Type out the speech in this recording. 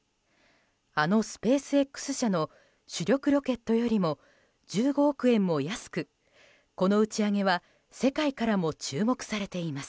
あのスペースＸ社の主力ロケットよりも１５億円も安く、この打ち上げは世界からも注目されています。